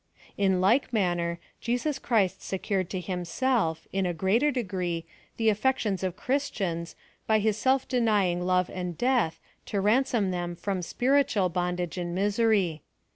In like manner, Jesus Christ secured to liimself, in a greater degree, the affections of Chris tians, by his self denying life and death, to ransom them from spiritual bondage and misery.